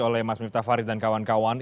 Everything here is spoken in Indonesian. oleh mas miftah farid dan kawan kawan